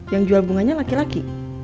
yang jual bunganya laki laki